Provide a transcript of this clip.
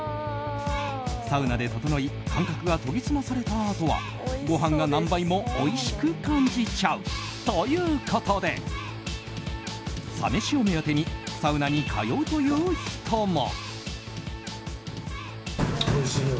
サウナでととのい感覚が研ぎ澄まされたあとはごはんが何倍もおいしく感じちゃう。ということで、サ飯を目当てにサウナに通うという人も。